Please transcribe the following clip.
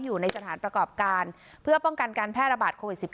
อยู่ในสถานประกอบการเพื่อป้องกันการแพร่ระบาดโควิด๑๙